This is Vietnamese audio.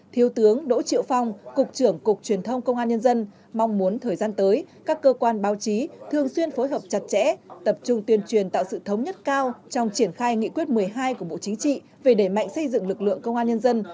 thiếu tướng đỗ triệu phong cục trưởng cục truyền thông công an nhân dân mong muốn thời gian tới các cơ quan báo chí thường xuyên phối hợp chặt chẽ tập trung tuyên truyền tạo sự thống nhất cao trong triển khai nghị quyết một mươi hai của bộ chính trị về đẩy mạnh xây dựng lực lượng công an nhân dân